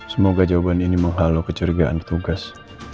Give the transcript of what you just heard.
semoga jawaban ini menghalau kecurigaan tugas